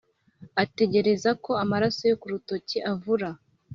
ategereza ko amaraso yo ku rutoki avura,